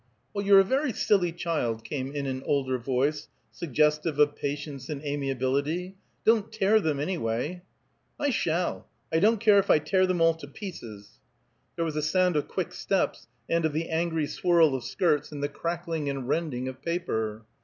"Well, you're a very silly child," came in an older voice, suggestive of patience and amiability. "Don't tear them, anyway!" "I shall! I don't care if I tear them all to pieces." There was a sound of quick steps, and of the angry swirl of skirts, and the crackling and rending of paper.